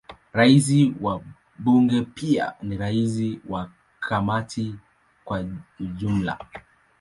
Rais wa Bunge pia ni rais wa Kamati kwa ujumla.